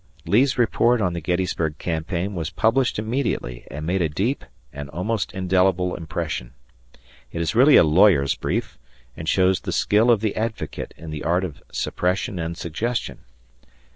Lee's report on the Gettysburg campaign was published immediately and made a deep and almost indelible impression. It is really a lawyer's brief and shows the skill of the advocate in the art of suppression and suggestion.